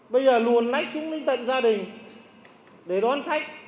bây giờ luồn lách xuống linh tận gia đình để đón khách